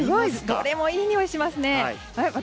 どれもいいにおいしますね。